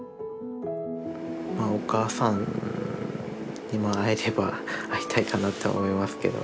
お母さん今会えれば会いたいかなって思いますけど。